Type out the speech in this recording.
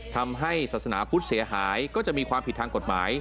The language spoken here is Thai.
ทำให้ศาสนาพุทธเสียหายก็จะมีความผิดทางกฎหมาย